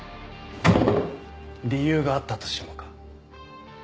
理由があったとしてもか？